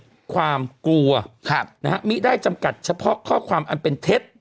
ความกลัวมิได้จำกัดเฉพาะข้อความอันเป็นเท็จ